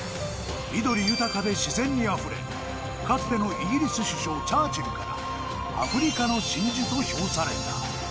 緑豊かで自然にあふれ、かつてのイギリス首相、チャーチルから、アフリカの真珠と評された。